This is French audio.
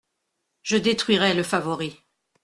Je détruirai le favori.